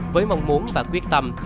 với mong muốn và quyết tâm